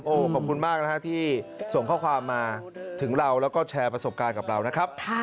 ขอบคุณมากนะฮะที่ส่งข้อความมาถึงเราแล้วก็แชร์ประสบการณ์กับเรานะครับ